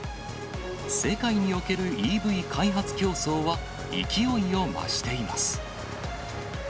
世界におけるＥＶ開発競争は勢いを増しています。